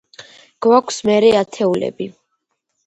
გვაქვს მერე ათეულები.